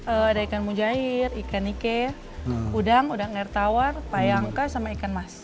ada ikan mujair ikan nike udang udang air tawar payangka sama ikan mas